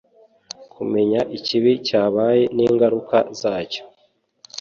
kumenya ikibi cyabaye n' ingaruka zacyo,